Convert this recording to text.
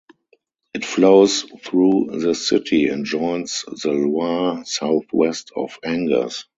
It flows through this city and joins the Loire south-west of Angers.